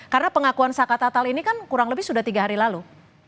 karena pengakuan saka tatal ini kan kurang lebih sudah tiga hari lalu